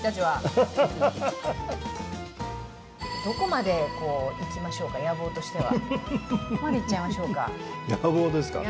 どこまでいきましょうか、野望としては。